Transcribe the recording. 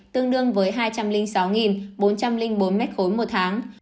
tương đương với hai trăm linh sáu bốn trăm linh bốn m ba một tháng